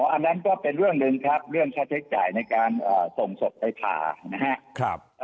อันนั้นก็เป็นเรื่องหนึ่งครับเรื่องค่าใช้จ่ายในการส่งศพไปผ่านะครับ